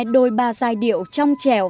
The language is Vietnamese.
đôi ba giai điệu trong chẻo